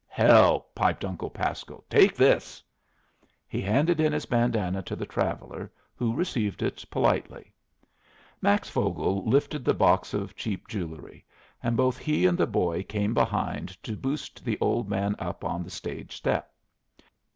"Hell!" piped Uncle Pasco. "Take this." He handed in his bandanna to the traveller, who received it politely. Max Vogel lifted the box of cheap jewelry; and both he and the boy came behind to boost the old man up on the stage step.